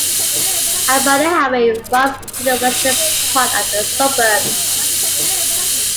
Albany Highway runs through the western part of the suburb.